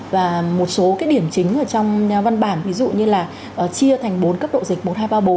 và một số cái điểm chính ở trong văn bản ví dụ như là chia thành bốn cấp độ dịch một nghìn hai trăm ba mươi bốn